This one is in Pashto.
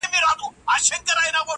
ما وېشلي هر یوه ته اقلیمونه!